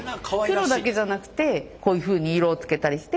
黒だけじゃなくてこういうふうに色をつけたりして。